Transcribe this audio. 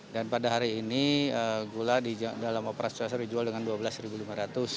dan pada hari ini gula dalam operasi pasar dijual dengan rp dua belas lima ratus